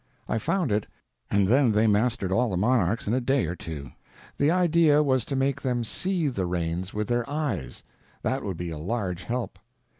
I found it, and then they mastered all the monarchs in a day or two. The idea was to make them _see _the reigns with their eyes; that would be a large help.